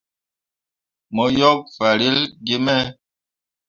Mo yok farelle gi me.